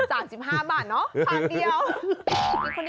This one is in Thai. ๓๕บาทเผาเดียว